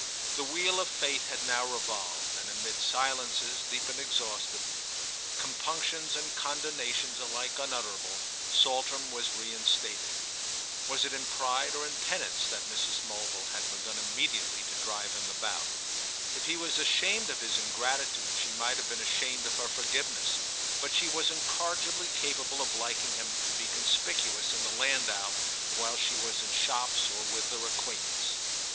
The wheel of fate had now revolved, and amid silences deep and exhaustive, compunctions and condonations alike unutterable, Saltram was reinstated. Was it in pride or in penance that Mrs. Mulville had begun immediately to drive him about? If he was ashamed of his ingratitude she might have been ashamed of her forgiveness; but she was incorrigibly capable of liking him to be conspicuous in the landau while she was in shops or with her acquaintance.